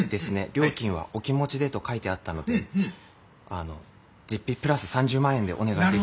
「料金はお気持ちで」と書いてあったのであの実費プラス３０万円でお願いできたらと。